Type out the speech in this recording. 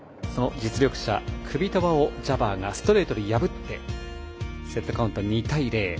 実力者クビトバをジャバーがストレートで破ってセットカウント２−０。